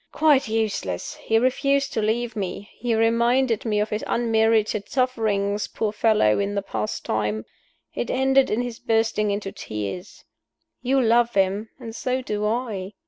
Quite useless! He refused to leave me; he reminded me of his unmerited sufferings, poor fellow, in the past time. It ended in his bursting into tears. You love him, and so do I.